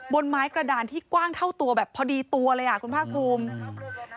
บนไม้กระดานที่กว้างเท่าตัวแบบพอดีตัวเลยอ่ะคุณภาคภูมิ